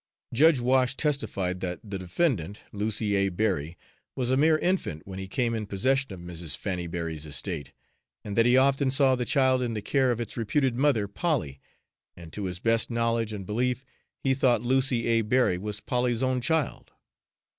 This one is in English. Judge Wash testified that "the defendant, Lucy A. Berry, was a mere infant when he came in possession of Mrs. Fannie Berry's estate, and that he often saw the child in the care of its reputed mother, Polly, and to his best knowledge and belief, he thought Lucy A. Berry was Polly's own child."